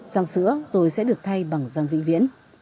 răng sữa rồi sẽ được thay bằng răng vĩnh viễn